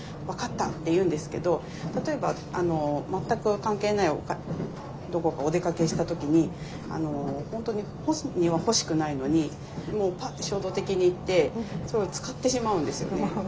「分かった」って言うんですけど例えば全く関係ないどこかお出かけした時に本当に本人は欲しくないのにもうパッて衝動的に行って使ってしまうんですよね。